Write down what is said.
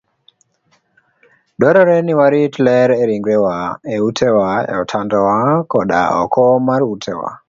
Dwarore ni warit ler e ringrewa, e utewa, e otandawa, koda oko mar utewa.